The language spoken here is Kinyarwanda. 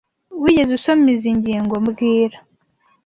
Wigeze usoma izoi ngingo mbwira